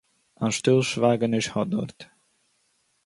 א שטיל שווייגניש האט דארט